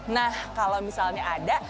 nah kalau misalnya ada